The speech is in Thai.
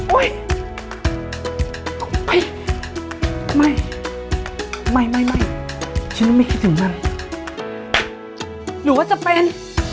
ไม่ไม่ไม่ฉันก็ไม่คิดถึงมันหรือว่าจะเป็น